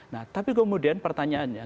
nah tapi kemudian pertanyaannya